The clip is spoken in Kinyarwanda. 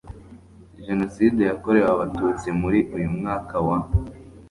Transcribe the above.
Jenoside yakorewe Abatutsi Muri uyu mwaka wa